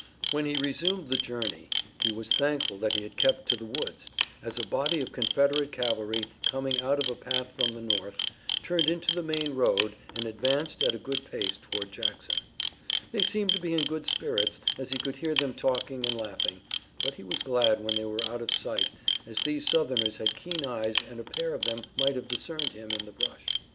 When he resumed the journey he was thankful that he had kept to the woods as a body of Confederate cavalry, coming out of a path from the north, turned into the main road and advanced at a good pace toward Jackson. They seemed to be in good spirits, as he could hear them talking and laughing, but he was glad when they were out of sight as these Southerners had keen eyes and a pair of them might have discerned him in the brush.